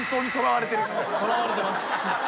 とらわれてます。